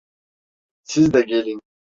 Siz de gelin.